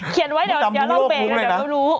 เขียนไว้เดี๋ยวเราแบกนะเดี๋ยวเขารู้